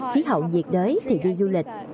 khí hậu nhiệt đới thì đi du lịch